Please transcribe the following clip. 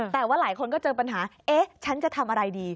แต่ว่าหลายคนก็เจอปัญหาเอ๊ะฉันจะทำอะไรดี